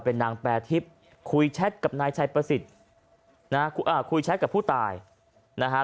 เป็นนางแปรทิพย์คุยแชทกับนายชัยประสิทธิ์นะฮะคุยแชทกับผู้ตายนะฮะ